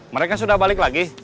mereka sudah balik lagi